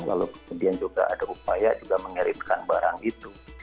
lalu kemudian juga ada upaya juga mengerimkan barang itu